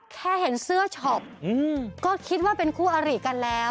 แค่เห็นเสื้อช็อปก็คิดว่าเป็นคู่อริกันแล้ว